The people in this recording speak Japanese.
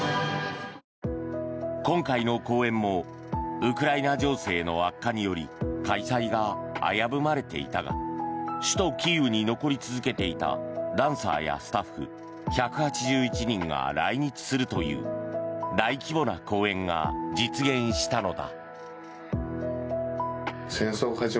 今回の公演もウクライナ情勢の悪化により開催が危ぶまれていたが首都キーウに残り続けていたダンサーやスタッフ１８１人が来日するという大規模な公演が実現したのだ。